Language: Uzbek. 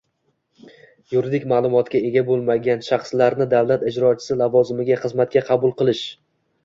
yuridik ma’lumotga ega bo‘lmagan shaxslarni davlat ijrochisi lavozimiga xizmatga qabul qilish